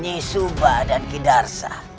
nyi suba dan kidara